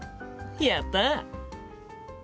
やった！